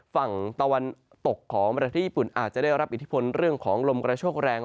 ฝั่งตะวันตกของประเทศญี่ปุ่นอาจจะได้รับอิทธิพลเรื่องของลมกระโชคแรง